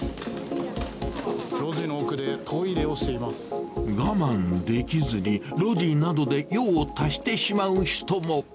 路地の奥でトイレをしていま我慢できずに、路地などで用を足してしまう人も。